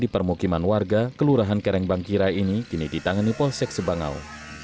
permukiman warga kelurahan kerengbangkira ini kini ditangani polsek sebangau